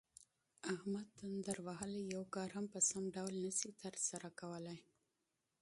احمد تندر وهلی یو کار هم په سم ډول نشي ترسره کولی.